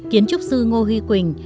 kiến trúc sư ngô huy quỳnh